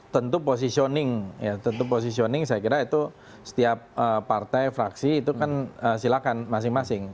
tentu positioning ya tentu positioning saya kira itu setiap partai fraksi itu kan silakan masing masing